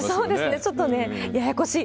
ちょっとね、ややこしい。